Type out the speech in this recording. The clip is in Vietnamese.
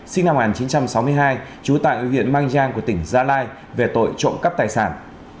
sinh năm một nghìn chín trăm sáu mươi hai chú tạng ưu viện mang giang của tỉnh gia lai về tội trộm cắp tài sản